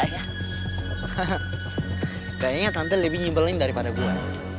hahaha kayaknya tante lebih nyebelin daripada gue